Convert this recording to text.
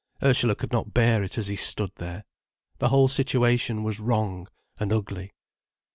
Ursula could not bear it as he stood there. The whole situation was wrong and ugly.